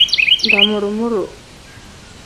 Damuru-muru.